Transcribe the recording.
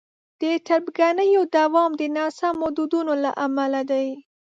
د تربګنیو دوام د ناسمو دودونو له امله دی.